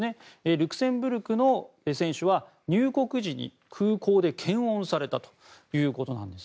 ルクセンブルクの選手は入国時に空港で検温されたということなんです。